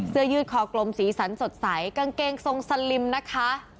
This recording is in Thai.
ยืดคอกลมสีสันสดใสกางเกงทรงสลิมนะคะ